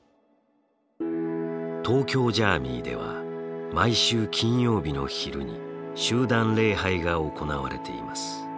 東京ジャーミイでは毎週金曜日の昼に集団礼拝が行われています。